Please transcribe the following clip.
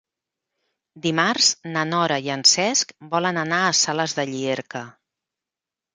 Dimarts na Nora i en Cesc volen anar a Sales de Llierca.